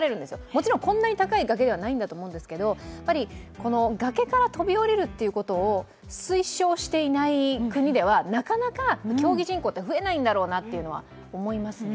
もちろん、こんなに高い崖ではないんだと思うんですけど、やっぱり、崖から飛び降りるということを推奨していない国ではなかなか競技人口って増えないんだろうなっていうのは思いますね。